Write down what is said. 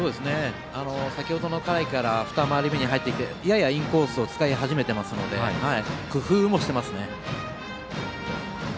先程の回から二回り目に入ってきてややインコースを使い始めていますので工夫もしていますね。